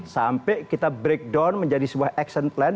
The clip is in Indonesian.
sampai kita breakdown menjadi sebuah action plan